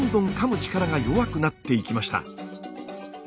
力が弱くなっていきました。